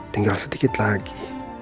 tinggal sedikit lagi